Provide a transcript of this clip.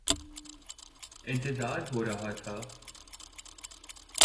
انتظار ہو رہا تھا